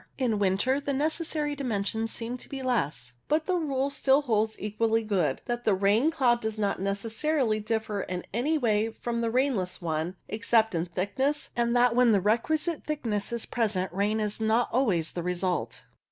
In winter the necessary dimensions seem to RAIN CLOUDS 83 be less, but the rule still holds equally good, that the rain cloud does not necessarily differ in any way from the rainless one, except in thickness, and that when the requisite thickness is present rain is not always the result.